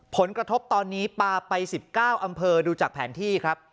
ผลกระทบตอนนี้ปลาไป๑๙อำเภอดูจากแผนที่ครับ